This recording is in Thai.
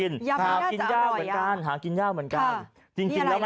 น่ากินหากินยากเหมือนกัน